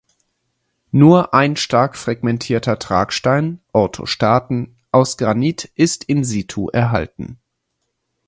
Nur ein stark fragmentierter Tragstein ("Orthostaten") aus Granit ist in situ erhalten.